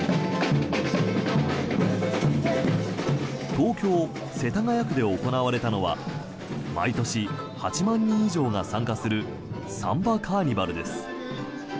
東京・世田谷区で行われたのは毎年８万人以上が参加するサンバカーニバルです。